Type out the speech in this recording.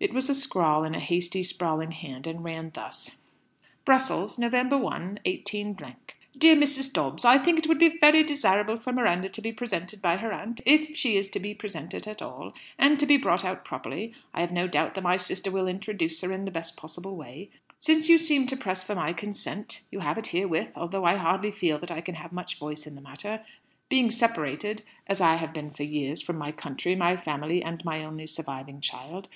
It was a scrawl in a hasty, sprawling hand, and ran thus: "Brussels, Nov. 1, 18 . "DEAR MRS. DOBBS, "I think it would be very desirable for Miranda to be presented by her aunt, if she is to be presented at all, and to be brought out properly. I have no doubt that my sister will introduce her in the best possible way. Since you seem to press for my consent, you have it herewith, although I hardly feel that I can have much voice in the matter, being separated, as I have been for years, from my country, my family, and my only surviving child.